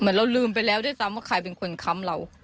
เราลืมไปแล้วด้วยซ้ำว่าใครเป็นคนค้ำเรา